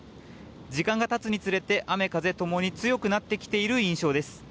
時間がたつにつれて雨風ともに強くなってきている印象です。